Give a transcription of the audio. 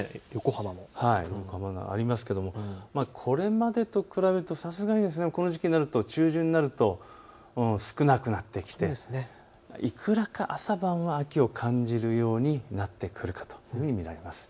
これまでと比べるとさすがにこの時期になると、中旬になると、少なくなってきていくらか朝晩は秋を感じるようになってくるかというふうに見られます。